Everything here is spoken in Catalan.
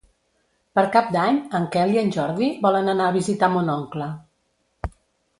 Per Cap d'Any en Quel i en Jordi volen anar a visitar mon oncle.